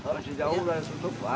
masih jauh udah ditutup